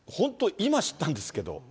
今、知ったんですけど。